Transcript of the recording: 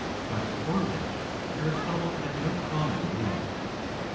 but for which Aristotle had no common name.